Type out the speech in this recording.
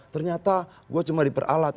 ternyata gue cuma diperalat